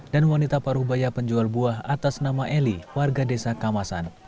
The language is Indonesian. dan wanita paruh bayah penjual buah atas nama eli warga desa kamasan